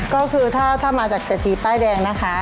ก็คือถ้ามาจากเศรษฐีป้ายแดงนะคะ